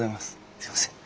すいません。